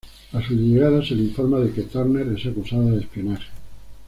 A su llegada, se le informa de que Turner es acusada de espionaje.